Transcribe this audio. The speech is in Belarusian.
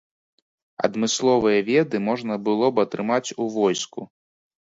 Адмысловыя веды можна было б атрымаць у войску.